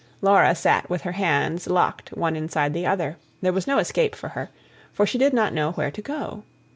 Laura sat with her hands locked one inside the other; there was no escape for her, for she did not know where to go.